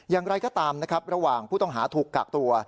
ยังไรก็ตามระหว่างผู้ต้องหาถูกกากตัว